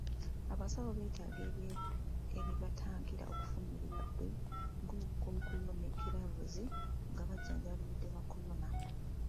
Abasawo beetaaga ebibatangira okufuna obulwadde nga obukkookolo ne giraavuzi nga bajjanjaba abalwadde ba kolona.